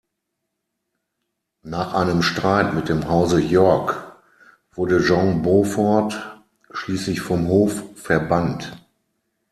Nach einem Streit mit dem Hause York wurde John Beaufort schließlich vom Hof verbannt.